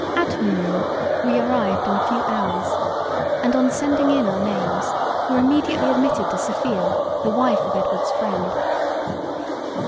At M——. we arrived in a few hours; and on sending in our names were immediately admitted to Sophia, the Wife of Edward's freind.